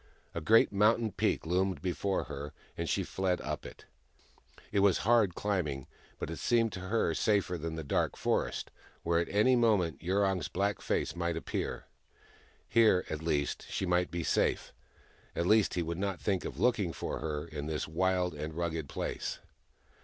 A great mountain peak loomed before her, and she fled up it. It was hard climbing, but it seemed to her safer than the dark forest, where at any moment Yurong's black face might appear. Here, at least, she might be safe ; at least, he would not think of looking for her in this wild and rugged place.